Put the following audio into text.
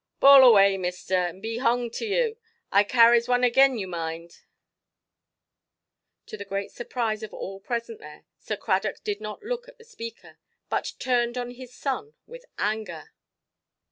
"Boul awai, meester, and be honged to you. I carries one again you, mind". To the great surprise of all present there, Sir Cradock did not look at the speaker, but turned on his son with anger.